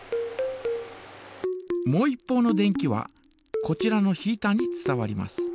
もう一方の電気はこちらのヒータに伝わります。